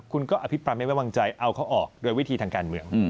คุณก็อภิปรายไม่ไว้วางใจเอาเขาออกโดยวิธีทางการเมือง